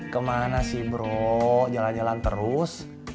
kemana sih bro jalan jalan terus